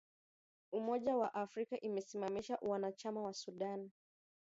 Umoja wa Afrika imesimamisha uanachama wa Sudan